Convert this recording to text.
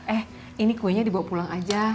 eh ini kuenya dibawa pulang aja